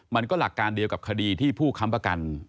มันก็หลักการเดียวกับคดีที่ผู้ค้ำประกัน